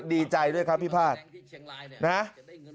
ดีใจด้วยครับพี่ภาษา